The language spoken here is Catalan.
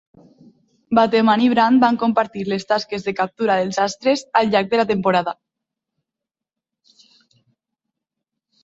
Bateman i Brand van compartir les tasques de captura dels Astres al llarg de la temporada.